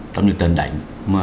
tất nhiên trần đánh